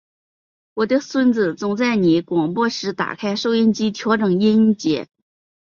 我的孙子总在你广播时打开收音机调整音节。